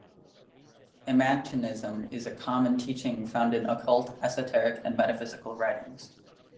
Emanationism is a common teaching found in occult, esoteric and metaphysical writings.